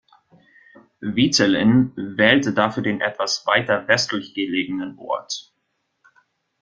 Vizelin wählte dafür den etwas weiter westlich gelegenen Ort.